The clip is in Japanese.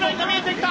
きた！